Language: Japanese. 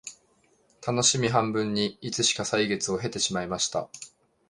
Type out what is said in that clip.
たのしみ半分にいつしか歳月を経てしまいました